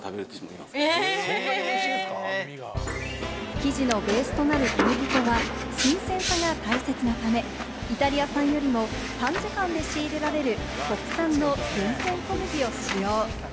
生地のベースとなる小麦粉は新鮮さが大切なため、イタリア産よりも短時間で仕入れられる国産の厳選小麦を使用。